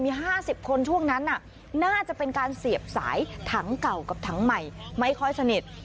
มี๕๐คนช่วงนั้นน่าจะเป็นการเสียบสายถังเก่ากับถังใหม่ไม่ค่อยสนิท